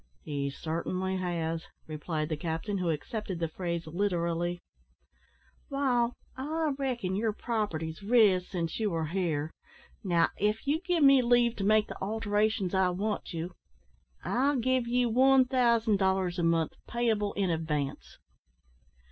"He certainly has," replied the captain, who accepted the phrase literally. "Wall, I reckon your property's riz since ye wor here; now, if you give me leave to make the alterations I want to, I'll give you 1000 dollars a month, payable in advance."